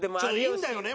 いいんだよね？